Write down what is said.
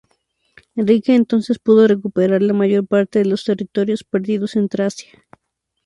Enrique entonces pudo recuperar la mayor parte de los territorios perdidos en Tracia.